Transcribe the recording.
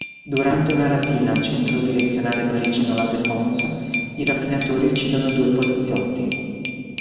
Durante una rapina al centro direzionale parigino La Défense, i rapinatori uccidono due poliziotti.